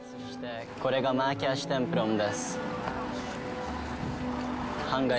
これがマーチャーシュテンプロムです。